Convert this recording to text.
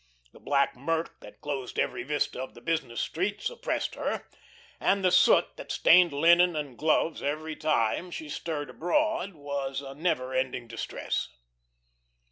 The black murk that closed every vista of the business streets oppressed her, and the soot that stained linen and gloves each time she stirred abroad was a never ending distress.